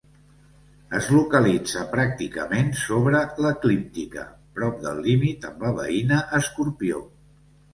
Es localitza pràcticament sobre l'eclíptica, prop del límit amb la veïna Escorpió.